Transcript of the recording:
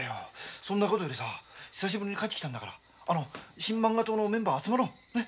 そんなことよりさ久しぶりに帰ってきたんだからあの新漫画党のメンバー集まろう。ね？